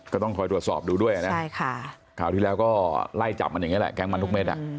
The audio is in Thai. ก็ต้องคอยตรวจสอบดูด้วยนะคราวที่แล้วก็ไล่จับมันอย่างนี้แหละแก๊งมันทุกเม็ด